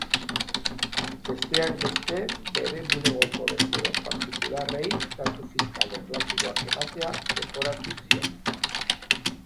Besteak beste, bere bulegoko bezero partikularrei datu fiskal erlatiboak ematea leporatu zioni.